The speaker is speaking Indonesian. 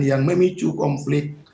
yang memicu konflik